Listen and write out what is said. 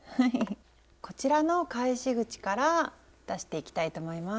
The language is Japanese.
こちらの返し口から出していきたいと思います。